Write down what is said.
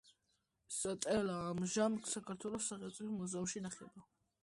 სტელა ამჟამად საქართველოს სახელმწიფო მუზეუმში ინახება.